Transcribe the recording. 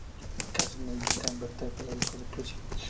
Casó con el duque Alberto Federico de Prusia.